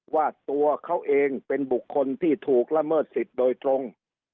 ว่าตัวเขาเองเป็นบุคคลที่ถูกละเมิดสิทธิ์โดยตรง